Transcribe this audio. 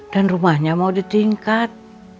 dan rumahnya mau ditingkat